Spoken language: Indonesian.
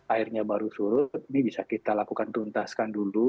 airnya baru surut ini bisa kita lakukan tuntaskan dulu